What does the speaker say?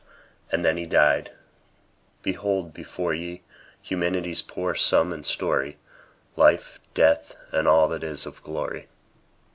And then he died! Behold before ye Humanity's poor sum and story; Life, Death, and all that is of glory.